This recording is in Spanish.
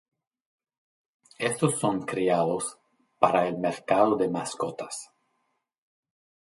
Estos son criados para el mercado de mascotas.